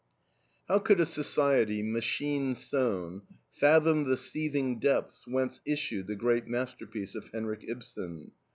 How could a society machine sewn, fathom the seething depths whence issued the great masterpiece of Henrik Ibsen?